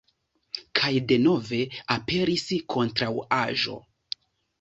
Kaj denove aperis kontraŭaĵo.